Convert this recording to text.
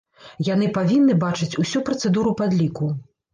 Яны павінны бачыць усю працэдуру падліку.